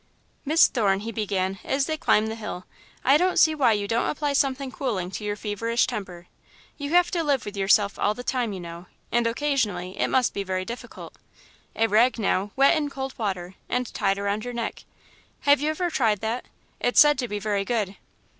"Miss Thorne," he began, as they climbed the hill, "I don't see why you don't apply something cooling to your feverish temper. You have to live with yourself all the time, you know, and, occasionally, it must be very difficult. A rag, now, wet in cold water, and tied around your neck have you ever tried that? It's said to be very good."